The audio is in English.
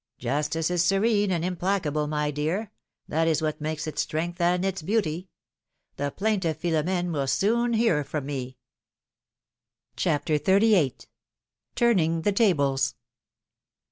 Justice is serene and implacable, my dear; that is what makes its strength and its beauty! The plaintive Philomfene will soon hear from me !" 318 hilomI:ne's maeriages. CHAPTER XXXVIII. TURNING THE TABLES.